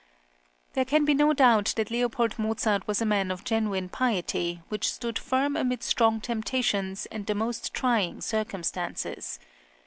There can be no doubt that L. Mozart was a man of genuine piety, which stood firm amid strong temptations and the most trying circumstances.